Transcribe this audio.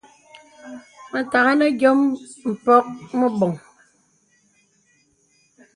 Mə̀tàghā nə yɔ̄m mpɔ̄k meboŋ.